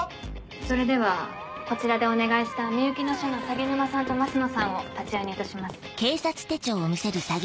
それではこちらでお願いしたみゆきの署の鷺沼さんと増野さんを立会人とします。